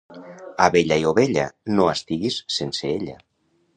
Abella i ovella, no estigues sense ella.